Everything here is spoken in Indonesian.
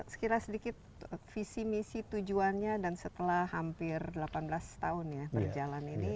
sekira sedikit visi misi tujuannya dan setelah hampir delapan belas tahun ya berjalan ini